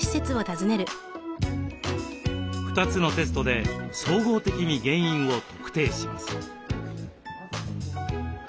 ２つのテストで総合的に原因を特定します。